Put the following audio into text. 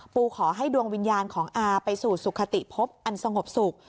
ขอให้ดวงวิญญาณของอาไปสู่สุขติพบอันสงบสุข